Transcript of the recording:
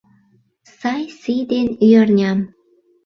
Сай сий ден Ӱярням